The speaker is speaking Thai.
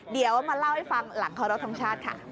เดี๋ยวมาเล่าให้ฟังหลังเคารพทงชาติค่ะ